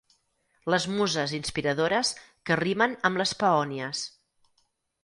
Les muses inspiradores que rimen amb les peònies.